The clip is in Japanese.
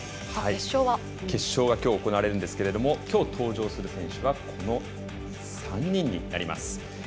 決勝はきょう行われるんですけどきょう登場する選手はこの３人になります。